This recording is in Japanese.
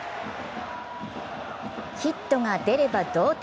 ヒットが出れば同点。